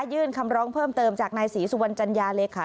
ยื่นคำร้องเพิ่มเติมจากนายศรีสุวรรณจัญญาเลขา